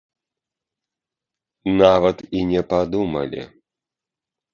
Нават і не падумалі.